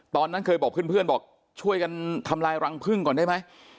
ตอนนั้นเคยบอกเพื่อนบอกช่วยกันทำลายรังพึ่งก่อนได้ไหม